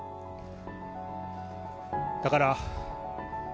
だから。